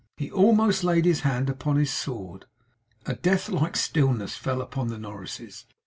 He almost laid his hand upon his sword. A death like stillness fell upon the Norisses.